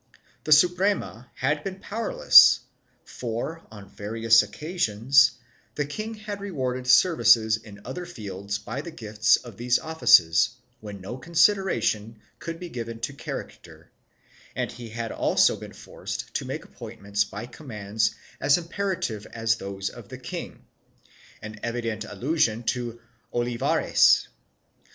The Suprema had been powerless for, on various occasions, the king had rewarded services in other fields by the gifts of these offices, when no consideration could be given to character, and he had also been forced to make appointments by com mands as imperative as those of the king — an evident allusion to Olivares.